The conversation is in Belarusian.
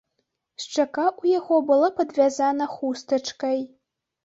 Шчака ў яго была падвязана хустачкай.